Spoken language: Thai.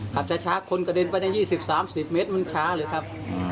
ขับช้าคนกระเด็นไปตั้ง๒๐๓๐เมตรมันช้าเลยครับ